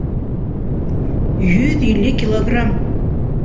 Йөҙ илле килограмм!